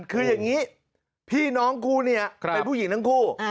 คืออย่างนี้พี่น้องคู่นี้เป็นผู้หญิงทั้งคู่